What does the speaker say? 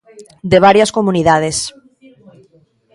De varias comunidades.